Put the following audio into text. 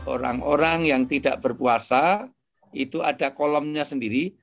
orang orang yang tidak berpuasa itu ada kolomnya sendiri